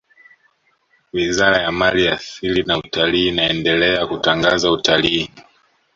wizara ya mali asili na utalii inaendelea kutangaza utalii